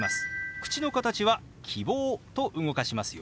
口の形は「キボー」と動かしますよ。